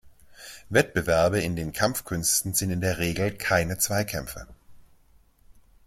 Wettbewerbe in den Kampfkünsten sind in der Regel keine Zweikämpfe.